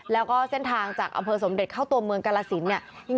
แล้วก็เส้นทางจากอำเภอสมเด็จเข้าตัวเมืองกาลสินเนี่ย